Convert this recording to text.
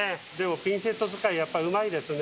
ピンセット使い、やっぱうまいですね。